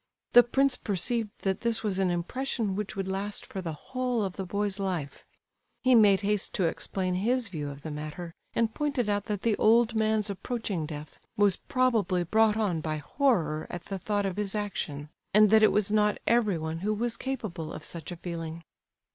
The prince perceived that this was an impression which would last for the whole of the boy's life. He made haste to explain his view of the matter, and pointed out that the old man's approaching death was probably brought on by horror at the thought of his action; and that it was not everyone who was capable of such a feeling.